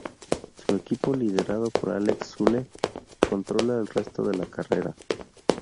Su equipo, liderado por Alex Zülle, controla el resto de la carrera.